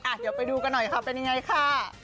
เดี๋ยวไปดูกันหน่อยค่ะเป็นยังไงค่ะ